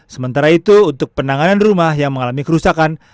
sementara itu untuk penanganan rumah yang mengalami kerusakan